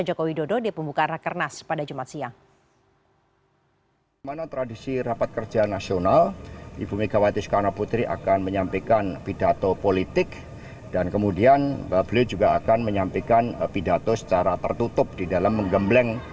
joko widodo di pembukaan rakernas pada jumat siang